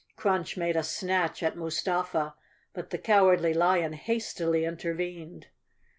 Crunch made a snatch at Mustafa, but the Cowardly Lion hastily inter¬ vened.